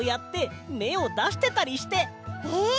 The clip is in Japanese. え！